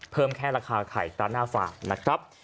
เพิ่มแค่ราคาไข่กระหน้าฟาร์ม